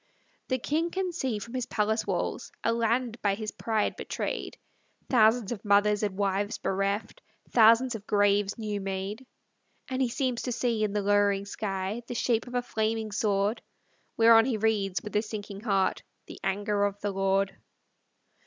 The king can see, from his palace walls. A land by his pride betrayed; Thousands of mothers and wives bereft. Thousands of graves new made. And he seems to see, in the lowering sky, The shape of a flaming sword; Whereon he reads, with a sinking heart, The anger of the Lord.